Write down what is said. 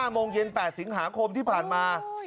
โมงเย็น๘สิงหาคมที่ผ่านมา